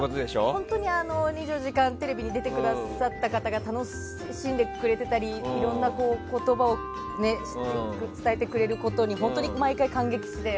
本当に「２４時間テレビ」に出てくださった方が楽しんでくれてたりいろんな言葉を伝えてくれることに本当に毎回感激して。